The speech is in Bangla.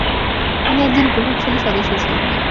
তিনি একজন প্রভাবশালী সদস্য ছিলেন।